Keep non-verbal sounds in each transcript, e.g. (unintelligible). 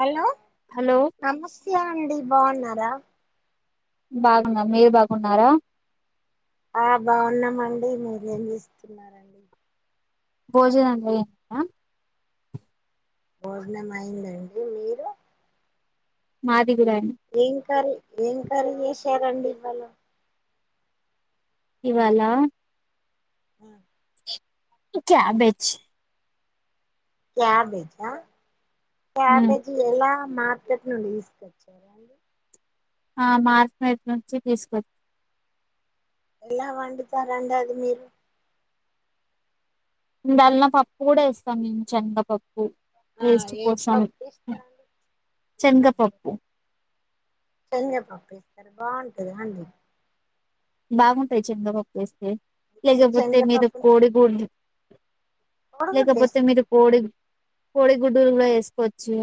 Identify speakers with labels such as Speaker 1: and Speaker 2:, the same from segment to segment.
Speaker 1: Hello
Speaker 2: hello
Speaker 1: నమస్తే అండి బాగున్నారా
Speaker 2: బాగున్నాం మీరు బాగున్నారా
Speaker 1: ఆ బాగున్నామండి. మీరేం చేస్తున్నారండి.
Speaker 2: భోజనం (unintelligible)
Speaker 1: భోజనం అయిందండి మీరు
Speaker 2: మాది గూడా అయింది.
Speaker 1: ఏం కర్రీ ఏం కర్రీ చేసారండి ఇవాళ
Speaker 2: ఇవాళా
Speaker 1: ఆ
Speaker 2: క్యాబెజ్
Speaker 1: క్యాబేజా
Speaker 2: ఉమ్,
Speaker 1: క్యాబెజి ఎలా మార్కెట్ నుండి తీసుకొచ్చారా అండి.
Speaker 2: ఆ మార్కెట్ నుంచి తీసుకొచ్
Speaker 1: ఎలా వండుతారండీ అది మీరు
Speaker 2: దాన్లో పప్పు కూడా వేస్తాం మేము శనగపప్పు
Speaker 1: ఆ
Speaker 2: టేస్ట్
Speaker 1: ఏం
Speaker 2: కోసం
Speaker 1: పప్పు ఏస్తారండి
Speaker 2: శనగపప్పు
Speaker 1: శనగపప్పు వేస్తారు బాగుంటదా అండి.
Speaker 2: బాగుంటది శనగపప్పు వేస్తే
Speaker 1: అంటే
Speaker 2: లేకపోతే మీరు
Speaker 1: శనగపప్పు
Speaker 2: కోడి గుడ్
Speaker 1: కోడిగుడ్డు
Speaker 2: లేకపోతే మీరు
Speaker 1: ఏస్తారా
Speaker 2: కోడి గుడ్ కోడి గుడ్డు కూడా వేసుకోచ్చు.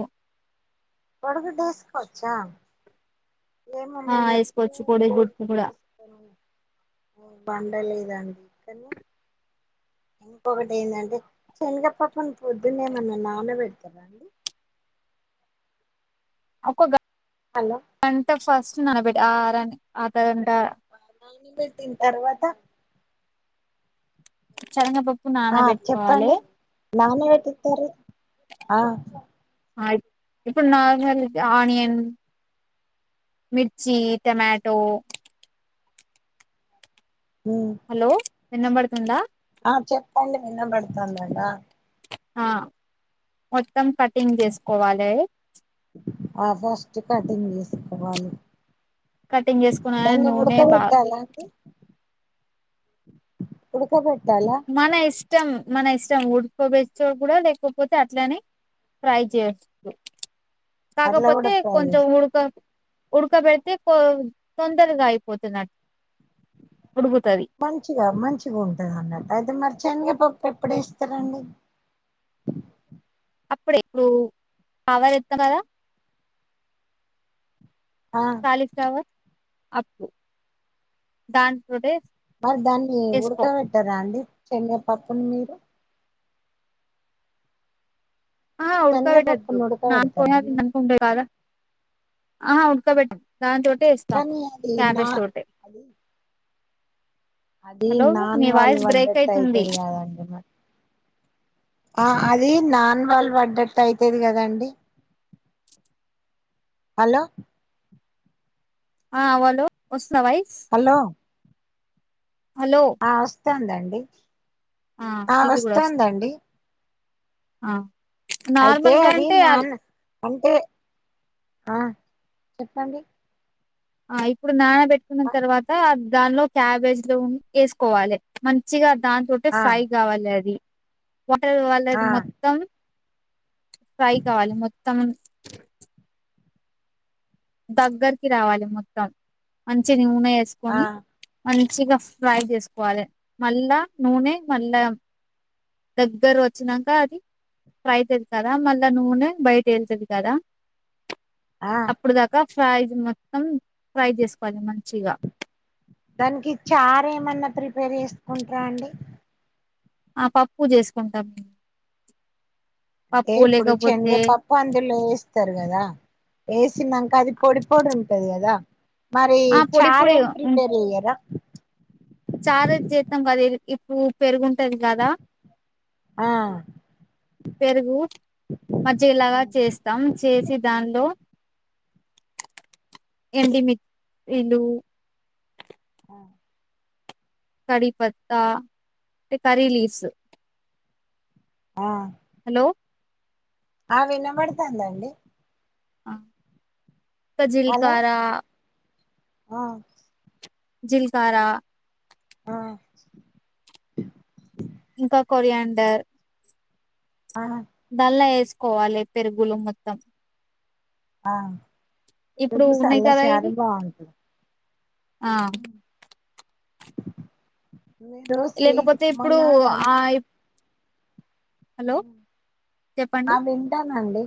Speaker 1: కొడీగుడ్డు వేసుకోవచ్చ. ఏమో
Speaker 2: ఆ
Speaker 1: మేము ఎప్పుడు
Speaker 2: వేసుకోవచ్చు
Speaker 1: కోడి
Speaker 2: కోడిగుడ్లు కూడా
Speaker 1: గుడ్డు ఎస్తలేము. వండలేదు అందుకనే ఇంకొకటి ఏందంటే శనగపప్పును పొద్దున్నే ఏమన్నా నాన పెడతరాండి.
Speaker 2: ఒక
Speaker 1: హలో
Speaker 2: గంట ఫస్ట్ నానబెట్టి ఆరని అర్ధగంట
Speaker 1: నానబెట్టిన తర్వాత
Speaker 2: శనగపప్పు
Speaker 1: ఆ
Speaker 2: నానబెట్టుకోవాలి
Speaker 1: చెప్పండి నాన పెట్టిస్తారు ఆ
Speaker 2: అంటే ఇప్పుడు నార్మల్ ఆనియన్ మిర్చి టమాటో
Speaker 1: ఉమ్
Speaker 2: హలో వినపడుతుందా
Speaker 1: ఆ చెప్పండి వినబడుతంది ఆ
Speaker 2: ఆ వచ్చి మొత్తం కటింగ్
Speaker 1: ఉమ్,
Speaker 2: చేసుకోవాలే
Speaker 1: పోవలి
Speaker 2: కటింగ్ చేసుకున్న
Speaker 1: దాన్ని
Speaker 2: నూనె
Speaker 1: ఉడక
Speaker 2: బా
Speaker 1: బెట్టాల అండి. ఉడుకలే
Speaker 2: మన ఇష్టం మన ఇష్టం ఉడుకబెట్టచ్చు కూడా లేకపోతే అట్లనే ఫ్రై చేయవచ్చు
Speaker 1: అట్లా కూడా
Speaker 2: కాాకపోతే
Speaker 1: ఫ్రై
Speaker 2: కొంచెం
Speaker 1: చేస్త
Speaker 2: ఉడుకా ఉడకబెడితే తొందరగా అయిపోతది
Speaker 1: మంచిగా మంచిగా ఉంటంది అన్నట్టు అయితే మరి శనగపప్పు ఎప్పుడేస్తారండి
Speaker 2: అప్పుడే ఎప్పుడో తర్వాత చెప్తా కదా
Speaker 1: ఆ
Speaker 2: క్యాలిఫ్లవర్ అప్పుడు దానీతోటే
Speaker 1: మరి దాన్ని ఉడకబెట్టారా అండి శనగపప్పుని మీరు
Speaker 2: ఆ ఉడుకబెట్టద్దు
Speaker 1: శనగపప్పును
Speaker 2: నానిపోయి
Speaker 1: ఉడకబెడతారండి
Speaker 2: ఉంటాయి కాదా ఆహా ఉదుకబెట్టద్దు దాం తోటె ఏస్తాం
Speaker 1: కానీ అది నా
Speaker 2: క్యాబేజ్ తోటే
Speaker 1: అది అది
Speaker 2: హలో
Speaker 1: నాన్
Speaker 2: మీ
Speaker 1: వాల్
Speaker 2: వాయిస్ బ్రేక్
Speaker 1: పడ్డట్టు
Speaker 2: అయితుంది
Speaker 1: అయితది కదా ఆ అది నాన్ వాళ్ళు పడ్డట్టు అయితది కదాండి హలో
Speaker 2: ఆ హలో వస్తవా వైస్
Speaker 1: హలో
Speaker 2: హలో
Speaker 1: వత్తాందండి ఆ
Speaker 2: ఇది కూడా వస్తుంది
Speaker 1: వస్తాందండి
Speaker 2: ఆ నార్మల్గా
Speaker 1: అది
Speaker 2: అంటే అలా
Speaker 1: నాన్ అంటే ఆ
Speaker 2: ఆ ఇప్పుడు నాన పెట్టుకున్న తర్వాత దానిలో క్యాబేజ్ లో ఉప్పు వేసుకోవాలి మంచిగా దాని తోటే
Speaker 1: ఆ
Speaker 2: ఫ్రై కావాలి అది వాటర్
Speaker 1: ఆ
Speaker 2: వాళ్ళది మొత్తం ఫ్రై కావాలి మొత్తం దగ్గరికి రావాలి మొత్తం మంచి నూనె
Speaker 1: ఆ
Speaker 2: వేసుకొని మంచిగా ఫ్రై చేసుకోవాలి మళ్ళా నూనె మళ్ళా దగ్గర వచ్చినంకా అది ఫ్రైచేస్తారా మళ్ళా నూనె బయట ఏసేస్తారా
Speaker 1: ఆ
Speaker 2: అప్పుటి దాకా ఫ్రై మొత్తం ఫ్రై చేసుకోవాలి మంచిగా
Speaker 1: దానికి చారు ఏమన్నా ప్రిపేర్ చేసుకుంటార అండి
Speaker 2: ఆ పప్పు చేసుకుంటాం పప్పు
Speaker 1: ఇప్పుడు శనగ
Speaker 2: లేకపోతే
Speaker 1: పప్పు అందులో వేస్తారు కదా ఏసినంక అది పొడిపొడి ఉంటది కదా మరి
Speaker 2: ఆ పొడి
Speaker 1: చారు
Speaker 2: పొడి
Speaker 1: ఏం
Speaker 2: ఉం,
Speaker 1: ప్రిపేర్ చేయ్యారా
Speaker 2: చారు చేస్తాం కదా ఇప్పుడు పెరుగుంటది కదా
Speaker 1: ఆ
Speaker 2: పెరుగు మజ్జిగలాగా చేస్తాం చేసి దానిలో ఎండు మిర్చి కరివేపాకు
Speaker 1: ఆ
Speaker 2: హలో
Speaker 1: ఆ వినబడుతందండి
Speaker 2: ఆ
Speaker 1: హలో
Speaker 2: జీలకర్ర
Speaker 1: ఆ
Speaker 2: జీలకర్ర
Speaker 1: ఆ
Speaker 2: ఇంకా కొరియండర్
Speaker 1: ఆహ
Speaker 2: నాల్లా వేసుకోవాలి పెరుగులో మొత్తం
Speaker 1: ఆ ఇప్పుడు
Speaker 2: ఉన్నాయి
Speaker 1: సల్ల
Speaker 2: కదా
Speaker 1: చారు
Speaker 2: ఇవి
Speaker 1: బావుంటుంది
Speaker 2: ఆ
Speaker 1: మీరు స్వీట్
Speaker 2: లేకపోతే ఇప్పుడు
Speaker 1: మొన్న
Speaker 2: ఆ హలో
Speaker 1: అ
Speaker 2: చెప్పండి
Speaker 1: వింటానండి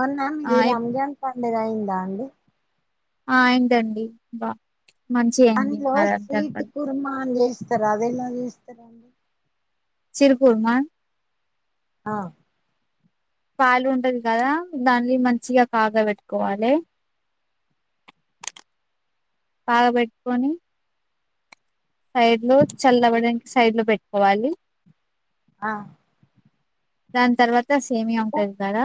Speaker 1: మొన్న
Speaker 2: ఆ
Speaker 1: మీది రంజాన్ పన్ మిది అయిందా అండి
Speaker 2: ఆ అయిందండి బా మంచిగా అయింది
Speaker 1: దాంట్లో
Speaker 2: మదంతా
Speaker 1: స్వీట్ కుర్మ అని చేస్తారు అది ఎలా చేస్తారు అండి
Speaker 2: చిరుకూర్మా
Speaker 1: ఆ
Speaker 2: పాలు ఉంటది కదా దాన్ని మంచిగా కాగా పెట్టుకోవాలి కాగా బేట్టుకొని సైడ్ లో చల్ అవ్వడానికి సైడ్ లో పెట్టుకోవాలి
Speaker 1: ఆ
Speaker 2: దాని తర్వాత సేమియా
Speaker 1: ఇంకా
Speaker 2: ఉంటాది కదా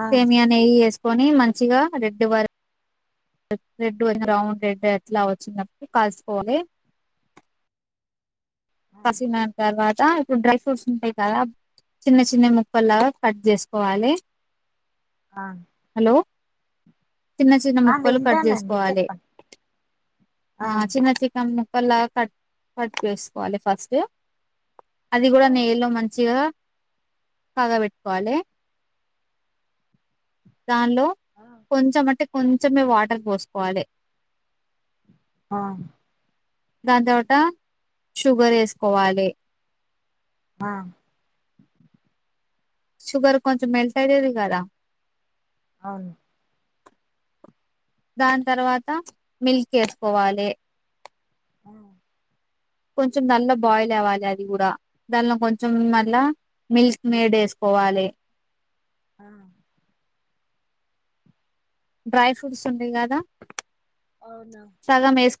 Speaker 1: ఆ
Speaker 2: సేమియా నెయ్యి వేసుకొని మంచిగా రెడ్ వర రెడ్ బ్రౌన్ రెడ్ ఎట్లా వచ్చనప్పుడు కాలుసుకోవాలి
Speaker 1: ఆ
Speaker 2: కాసిన తర్వాత ఇప్పుడు డ్రై ఫ్రూట్స్ ఉంటాయి కదా చిన్న చిన్న ముక్కలాగా కట్ చేసుకోవాలి
Speaker 1: ఆ
Speaker 2: డు చిన్న చిన్న
Speaker 1: ఆ
Speaker 2: ముక్కలు కట్
Speaker 1: వింటానండి
Speaker 2: చేసుకోవాలి
Speaker 1: చెప్పండి
Speaker 2: ఆ చిన్న చికాన్ ము అలా కట్ కట్ వేసుకోవాలి ఫస్ట్ అది కూడా
Speaker 1: ఆ
Speaker 2: నెయ్యిలో మంచిగా కాగా పెట్టుకోవాలి దానిలో కొంచెం అంటే కొంచమే వాటర్ పోసుకోవాలే
Speaker 1: ఆ
Speaker 2: దాని తర్వాత షుగర్ వేసుకోవాలి
Speaker 1: ఆ
Speaker 2: షుగర్ కొంచెం మెల్ట్ అయతది కదా
Speaker 1: అవును
Speaker 2: దాని తర్వాత మిల్క్ వేసుకోవాలే
Speaker 1: ఆ
Speaker 2: కొంచెం నల్ల బాయిల్ అవ్వాలి అది కూడా దానిలో కొంచెం మళ్ళా మిల్క్ మేడ్ వేసుకోవాలే
Speaker 1: ఆ
Speaker 2: డ్రై ఫ్రూట్స్ ఉండయి కదా
Speaker 1: అవునా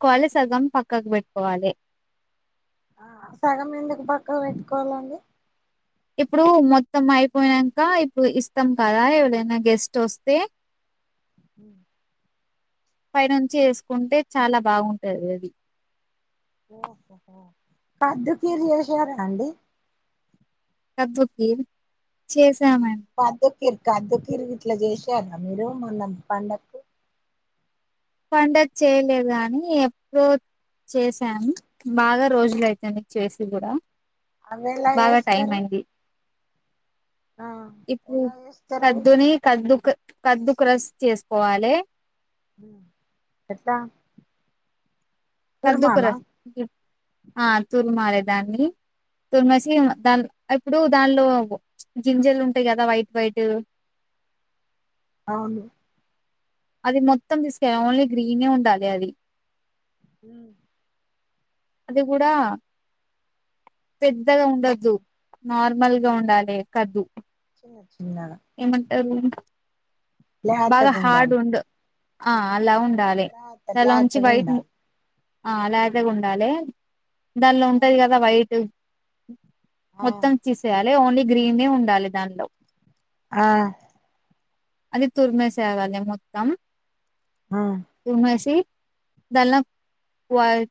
Speaker 2: కోళి సగం పక్కకు పెట్టుకోవాలే
Speaker 1: ఆ సగం ఎందుకు పక్కా పెట్టుకోవాలండి
Speaker 2: ఇప్పుడు మొత్తం అయిపోయనంకా ఇప్పుడు ఇస్తాం కదా ఎవడైనా గెస్ట్ వస్తే
Speaker 1: మ్
Speaker 2: పైనుంచి ఏసుకుంటే చాలా బాగుంటది అది.
Speaker 1: ఓహోహో కద్దు కీర్ చేసారా అండి?
Speaker 2: కద్దు కీర్ చేసామన్
Speaker 1: కిర్ కద్దు కీర్ గిట్ల చేసారా మీరు మొన్న పండక్కు?
Speaker 2: పండక్కి చేయలేదు కాని! ఎప్రో చేసాం బాగా రోజులైతాంది చేసి కూడ
Speaker 1: అవి ఎలా
Speaker 2: బాగా టైం
Speaker 1: చేస్తారు
Speaker 2: అయింది.
Speaker 1: ఆ
Speaker 2: ఇప్పు
Speaker 1: ఎలా చేస్తారు అవి
Speaker 2: కద్దుని కద్దు క కద్దు క్రస్ చేసుకోవాలె.
Speaker 1: ఎత్త
Speaker 2: కద్దుకోర ఆ తుర్మాలే దాన్ని తురిమేసి దాన్ల ఇప్పుడు దానిలో గింజలు ఉంటాయి కదా వైట్ వైట్
Speaker 1: అవును
Speaker 2: అది మొత్తం తీసుకయ ఓన్లీ గ్రీనే ఉండాలి అది.
Speaker 1: మ్
Speaker 2: అది కూడా పెద్దగ ఉండద్దు.
Speaker 1: హ్మ్.
Speaker 2: నార్ మల్గా ఉండాలి. ఎక్కద్దు
Speaker 1: చిన్న చిన్నగా
Speaker 2: ఏమంటారు? బాగా
Speaker 1: లేతగుండాలి
Speaker 2: హార్డ్ ఉండు, ఆ అలా ఉండాలి,
Speaker 1: లాత
Speaker 2: దాలో ఉంచి
Speaker 1: లాతగా
Speaker 2: వైట్ మో
Speaker 1: ఉండాలి
Speaker 2: ఆ అలాగె ఉండాలి. దానిలో ఉంటది కదా వైట్
Speaker 1: ఆ
Speaker 2: మొత్తం తీసేయాలి ఓన్లీ గ్రీన్ ఎ ఉండాలి దానిలో
Speaker 1: ఆ
Speaker 2: అది తుర్మేసిఅగాలి మొత్తం.
Speaker 1: ఆ
Speaker 2: తుర్మేసి, దాల వాయ్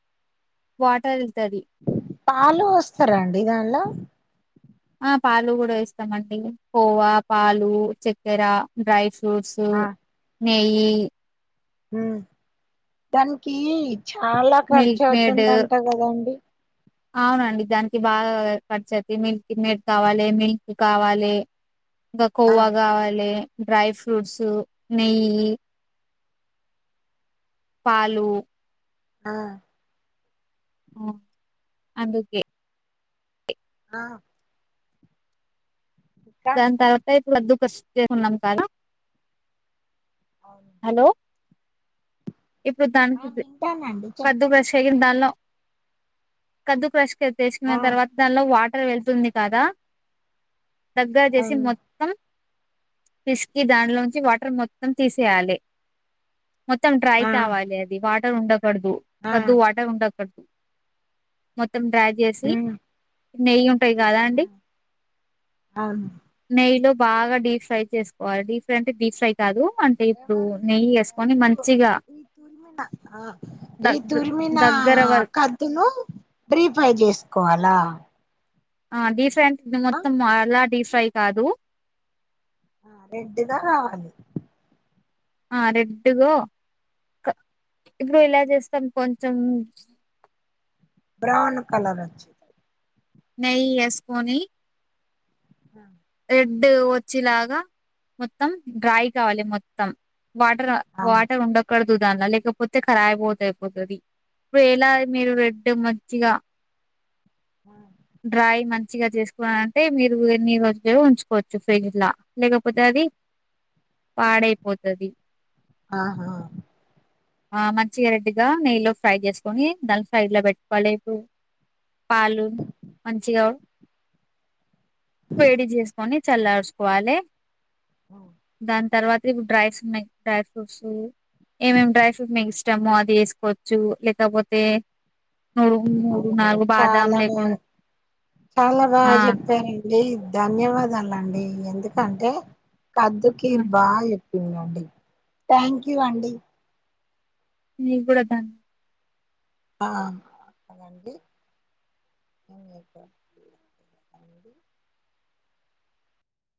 Speaker 2: వాటర్ వెళ్తది
Speaker 1: పాలు వోస్తరా అండి దానిలో
Speaker 2: ఆ పాలు కూడా ఏస్తమండి. కోవా, పాలు, చక్కెర, డ్రై ఫ్ ఫూట్సు, నెయ్యి
Speaker 1: మ్ దానికి చాల
Speaker 2: మిల్క్ మేడ్
Speaker 1: ఖర్చవుతుంది అంట కదండి!
Speaker 2: అవునండి. దానికి బాగ ఖర్చయితయి మిల్క్ మేడ్ కావాలి, మిల్క్ కావాలి. ఇంగా
Speaker 1: ఆ
Speaker 2: కొవా కావాలి, డ్రై ఫ్రూట్స్, నెయ్యి. పాలు.
Speaker 1: ఆ
Speaker 2: మ్ అందుకె
Speaker 1: ఆ ఇంకా
Speaker 2: దాని తర్వాత ఇప్పుడు వద్దు క్రష్ చె ఉన్నాం కదా
Speaker 1: అవును
Speaker 2: హలో ఇప్పుడు
Speaker 1: ఆ
Speaker 2: దానికిద్,
Speaker 1: వింటానండి
Speaker 2: కద్దు
Speaker 1: చెప్పండి
Speaker 2: క్రష్ అగిన బెల్లం. కద్దు క్రష్ కె తేసుకున్న
Speaker 1: ఆ
Speaker 2: తర్వాత దానిలో వాటర్ వెళ్తుంది కదా! దగ్గా చేసి
Speaker 1: అవును
Speaker 2: మొత్తం పిస్కీ దాంలోంచి వాటర్ మొత్తం తీసేయాలి. మొత్తం డ్ర
Speaker 1: ఆ
Speaker 2: కావాలి అది వాటర్ ఉండకూడదు
Speaker 1: ఆ
Speaker 2: వద్దు వాటర్ ఉండకూడదు. మొత్తం డ్రై చేసి,
Speaker 1: ఉమ్
Speaker 2: నెయ్యుం పై కదండి,
Speaker 1: అవును
Speaker 2: నెయ్యిలో బాగా డీప్ ఫ్రై చేసుకోవాలి. డీ ఫ్రై అంటే డీ ఫ్రై కాదు అంటే ఇప్పుడు, నెయ్యి ఏసుకొని మంచిగా
Speaker 1: తుర్మిన ఆ ఈ
Speaker 2: దగ్గ
Speaker 1: తుర్మిన
Speaker 2: దగ్గర వర
Speaker 1: కద్దును బ్రీ ఫ్రై చేసుకోవాల?
Speaker 2: ఆ డీ ఫ్రై అంటే, ఇది మొత్తం అలా డీ ఫ్రై కాదు.
Speaker 1: ఆ రెడ్ గా రావాలి.
Speaker 2: ఆ రెడ్ గో ఇప్పుడు ఇలా చేస్తాం కొంచెం
Speaker 1: బ్రౌన్ కలర్ వ
Speaker 2: నెయ్యి ఎస్కోని
Speaker 1: ఆ
Speaker 2: రెడ్ వచ్చేలాగా మొత్తం డ్రై కావాలి మొత్తం వాటర్
Speaker 1: అవును
Speaker 2: వాటర్ ఉండకూడదు దానిలో లేకపోతే ఖరాబ్ అయిపోతే అయిపోతుంది ఇప్పుడు ఎలా మీరు రెడ్డు మంచిగా డ్రై మంచిగా చేసుకున్నంటే మీరు ఎన్ని రోజు ఇలా ఉంచుకోవచ్చు ఫ్రిడ్జ్ లేకపోతే అది పాడైపోతా ది
Speaker 1: ఆహా
Speaker 2: ఆ మంచిగా రెడ్డుగా నెయ్యి లో ఫ్రై చేసుకొని దాని సైడ్ లో పెట్టుకోలేదు పాలు మంచిగ వేడి చేసుకొని చల్లార్చుకోవాలి దాని తర్వాత డ్రై డ్రై ఫ్రూట్స్ ఏమేం డ్రై ఫ్రూట్ మెకు ఇస్తామో అది వేసుకోవచ్చు లేకపోతే ను
Speaker 1: ఓహో చాలా బాగా చాలా
Speaker 2: ఆ
Speaker 1: బాగా చెప్పారండి ధన్యవాదాలండి ఎందుకంటే కద్దుకీరు బాగా తిన్దండి థ్యాంక్యూ అండి
Speaker 2: మీక్కూడా థ్యాంక్స్
Speaker 1: ఆ (inaudible)